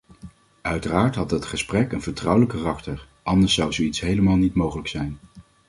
Uiteraard had dat gesprek een vertrouwelijk karakter, anders zou zoiets helemaal niet mogelijk zijn.